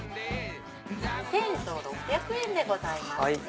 ２６００円でございますね。